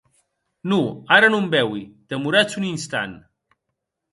Non, ara non beui, demoratz un instant.